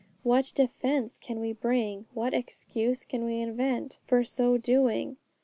What defence can we bring, what excuse can we invent, for so doing?